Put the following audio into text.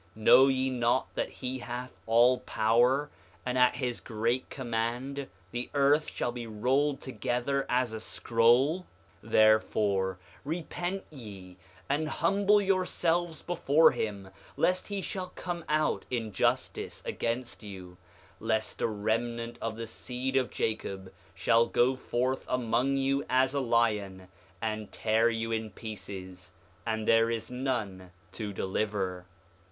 Know ye not that he hath all power, and at his great command the earth shall be rolled together as a scroll? 5:24 Therefore, repent ye, and humble yourselves before him, lest he shall come out in justice against you—lest a remnant of the seed of Jacob shall go forth among you as a lion, and tear you in pieces, and there is none to deliver.